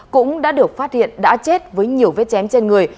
cũng đã được phát hiện đã chết với nhiều vết chém trên người